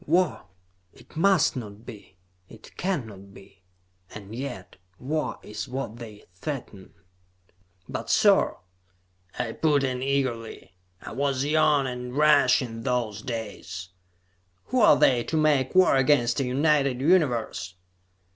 "War! It must not be. It cannot be! And yet, war is what they threaten." "But, sir!" I put in eagerly. I was young and rash in those days. "Who are they, to make war against a united Universe?"